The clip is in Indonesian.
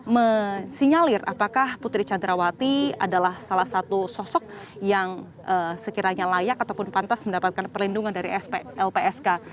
mensinyalir apakah putri candrawati adalah salah satu sosok yang sekiranya layak ataupun pantas mendapatkan perlindungan dari lpsk